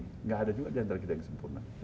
enggak ada juga jantar kita yang sempurna